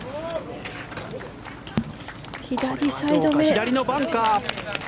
左のバンカー。